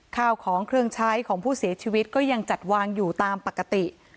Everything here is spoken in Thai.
ข้าวของเครื่องใช้ของผู้เสียชีวิตก็ยังจัดวางอยู่ตามปกติ